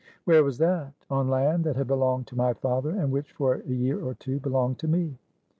"Where was that?" "On land that had belonged to my father, and, which, for a year or two, belonged to me."